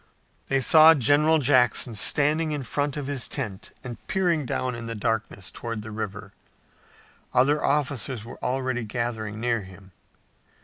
They saw General Jackson standing in front of his tent and peering down in the darkness toward the river. Other officers were already gathering near him.